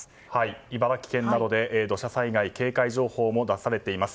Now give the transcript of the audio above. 茨城県などで土砂災害警戒情報なども出されています。